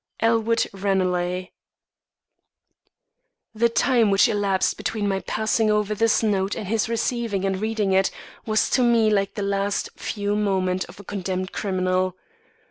"ELWOOD RANELAGH." The time which elapsed between my passing over this note and his receiving and reading it, was to me like the last few moments of a condemned criminal.